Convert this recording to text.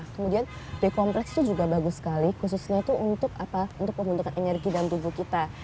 kemudian d kompleks itu juga bagus sekali khususnya itu untuk apa untuk membentukkan energi dalam tubuh kita